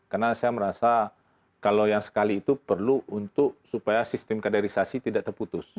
karena saya merasa kalau yang sekali itu perlu untuk supaya sistem kaderisasi tidak terputus